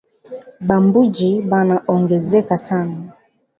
Ba mbuji bana ongezeka sana